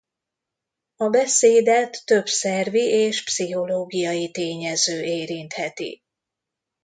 A beszédet több szervi és pszichológiai tényező érintheti.